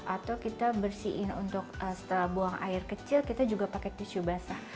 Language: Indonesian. atau kita bersihin untuk setelah buang air kecil kita juga pakai tisu basah